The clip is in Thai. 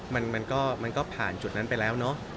มันก็ผ่านจุดนั้นไปแล้วเนอะ